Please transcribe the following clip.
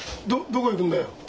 どどこ行くんだよ？